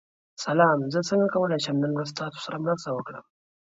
سلام، زه څنګه کولی شم نن ورځ ستاسو سره مرسته وکړم؟